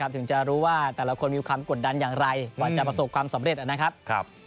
ถึงจะรู้ว่าแต่ละคนมีความกดดันอย่างไรกว่าจะประสบความสำเร็จนะครับ